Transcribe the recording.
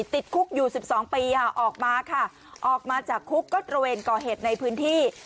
ติดคุกอยู่๑๒ปีค่ะออกมาค่ะออกมาจากคุกก็ตระเวนก่อเหตุในพื้นที่